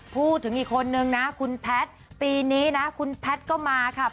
พูดถึงอีกคนนึงนะคุณพัททพีนนี้นะคุณพัทก็มามาค่ะ